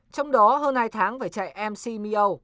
trong đó hơn hai tháng phải chạy mcmo